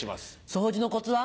掃除のコツは？